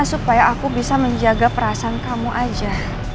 supaya aku bisa menjaga perasaan kamu aja